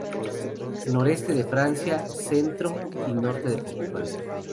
Noroeste de Francia, centro y norte de Portugal.